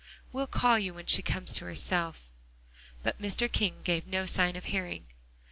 We'll call you when she comes to herself." But Mr. King gave no sign of hearing.